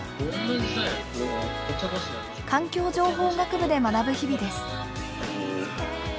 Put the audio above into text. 環境情報学部で学ぶ日々です。